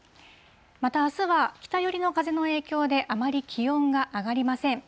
またあすは、北寄りの風の影響で、あまり気温が上がりません。